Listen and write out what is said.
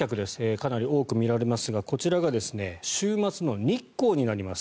かなり多く見られますがこちらが週末の日光になります。